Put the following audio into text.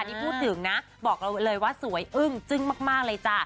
นี่พูดถึงนะบอกเราเลยว่าสวยอึ้งจึ้งมากเลยจ้ะ